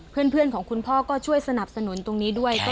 เพื่อนของคุณพ่อก็ช่วยสนับสนุนตรงนี้ด้วย